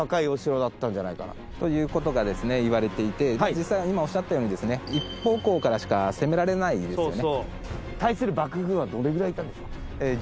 実際今おっしゃったように一方向からしか攻められないですよね。